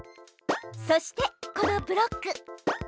そしてこのブロック。